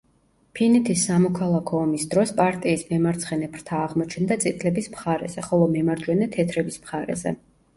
ფინეთის სამოქალაქო ომის დროს პარტიის მემარცხენე ფრთა აღმოჩნდა წითლების მხარეზე, ხოლო მემარჯვენე თეთრების მხარეზე.